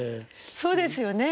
そうですよね。